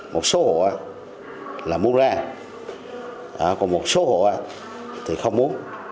một số hộ là muốn ra còn một số hộ thì không muốn